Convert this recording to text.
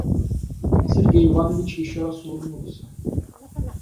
Сергей Иванович еще раз улыбнулся.